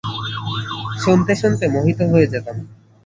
শুনতে শুনতে মোহিত হয়ে যেতাম।